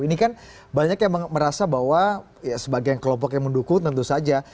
ini kan banyak yang merasa bahwa sebagian kelompok yang mendukung tentu saja